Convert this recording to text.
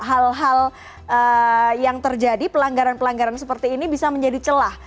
hal hal yang terjadi pelanggaran pelanggaran seperti ini bisa menjadi celah